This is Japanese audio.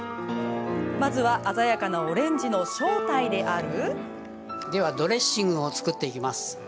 まずは鮮やかなオレンジの正体である。